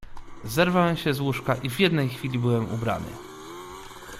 "Zerwałem się z łóżka i w jednej chwili byłem ubrany."